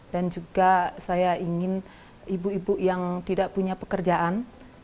dan juga saya ingin ibu ibu yang tidak punya pekerjaan